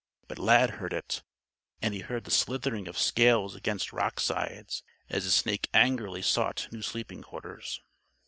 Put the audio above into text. But Lad heard it. And he heard the slithering of scales against rocksides, as the snake angrily sought new sleeping quarters.